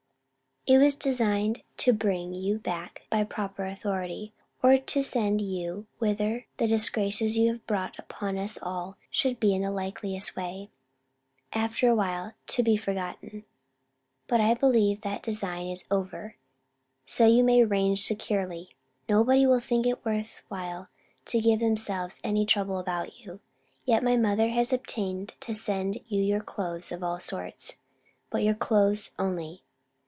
It was designed to bring you back by proper authority, or to send you whither the disgraces you have brought upon us all should be in the likeliest way, after a while, to be forgotten. But I believe that design is over: so you may range securely nobody will think it worth while to give themselves any trouble about you. Yet my mother has obtained leave to send you your clothes of all sorts: but your clothes only.